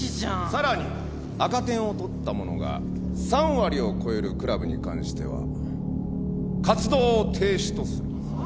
さらに赤点を取った者が３割を超えるクラブに関しては活動を停止とする。